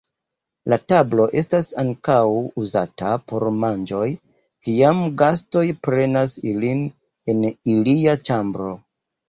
La tablo estas ankaŭ uzata por manĝoj kiam gastoj prenas ilin en ilia ĉambro.